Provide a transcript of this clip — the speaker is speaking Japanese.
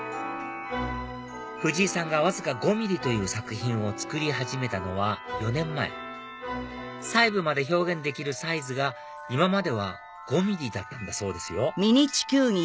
フジイさんがわずか５ｍｍという作品を作り始めたのは４年前細部まで表現できるサイズが今までは５ｍｍだったんだそうですよ